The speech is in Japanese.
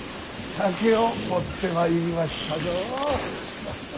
酒を持ってまいりましたぞ。